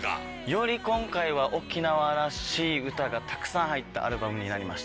より今回は沖縄らしい歌がたくさん入ったアルバムになりましたね。